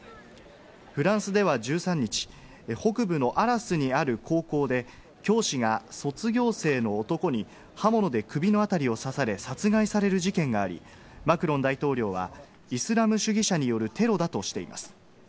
フランスでは１３日、北部のアラスにある高校で教師が卒業生の男に刃物で首のあたりを刺され殺害される事件があり、マクロン大統領はイスラム主義者によるテロだとしています。